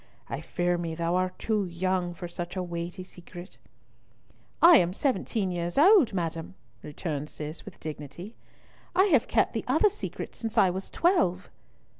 I fear me thou art too young for such a weighty secret." "I am seventeen years old, madam," returned Cis, with dignity; "I have kept the other secret since I was twelve."